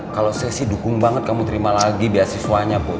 kalau saya sih dukung banget kamu terima lagi beasiswanya bu